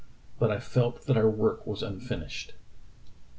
But I jelt that our work was unfinished."